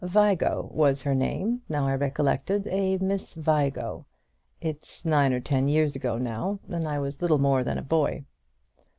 Vigo was her name; now I recollect it, a Miss Vigo. It's nine or ten years ago now, and I was little more than a boy."